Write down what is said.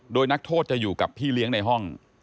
โดยนักโทษจะอยู่กับพี่เลี้ยงในห้อง